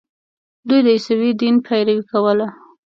دوی د عیسوي دین پیروي کوله.